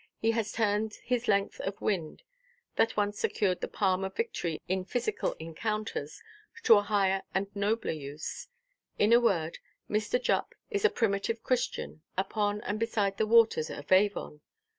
He has turned his length of wind, that once secured the palm of victory in physical encounters, to a higher and nobler use. In a word, Mr. Jupp is a Primitive Christian upon and beside the waters of Avon.